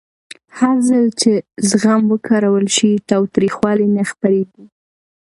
هرځل چې زغم وکارول شي، تاوتریخوالی نه خپرېږي.